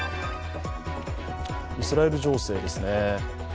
イスラエル情勢です。